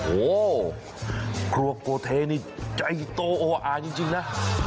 โอ้โหครัวโกเทนี่ใจโตโออายจริงนะ